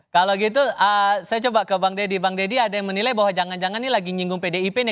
kalau gitu saya coba ke bang deddy bang deddy ada yang menilai bahwa jangan jangan ini lagi nyinggung pdip nih